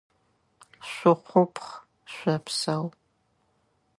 Шъухъупхъ, шъопсэу!